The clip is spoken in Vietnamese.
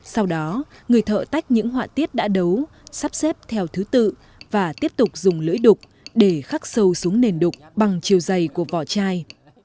sau đó người thợ tách những họa tiết đã đấu sắp xếp theo thứ tự và tiếp tục dùng lưỡi đục để khắc sâu xuống nền đục bằng chiều dày của vỏ chai